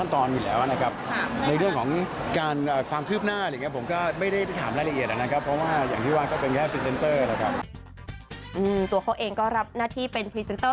ตัวเขาเองก็รับหน้าที่เป็นพรีเซนเตอร์